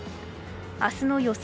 明日の予想